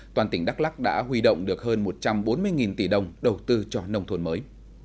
toàn tỉnh đắk lắc đã huy động được hơn một trăm bốn mươi tỷ đồng đầu tư cho nông thôn mới